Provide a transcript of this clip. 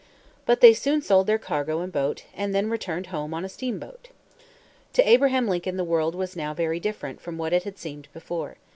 But they soon sold their cargo and boat, and then returned home on a steamboat. To Abraham Lincoln the world was now very different from what it had seemed before.